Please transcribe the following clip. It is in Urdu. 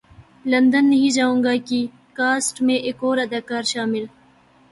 لندن نہیں جاں گا کی کاسٹ میں ایک اور اداکار شامل